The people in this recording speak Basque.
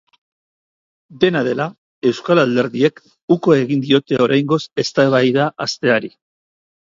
Dena dela, euskal alderdiek uko egin diote oraingoz eztabaida hasteari.